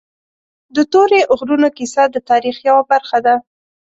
د تورې غرونو کیسه د تاریخ یوه برخه ده.